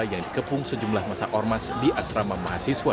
yang dikepung sejumlah masa ormas di asrama mahasiswa